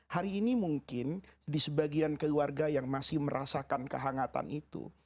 hari ini mungkin di sebagian keluarga yang masih merasakan kehangatan itu